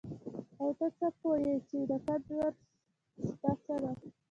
او ته څه پوه يې چې د قدر شپه څه ده؟